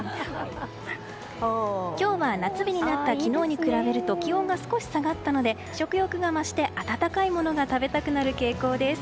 今日は夏日になった昨日に比べると気温が少し下がったので食欲が増して温かいものが食べたくなる傾向です。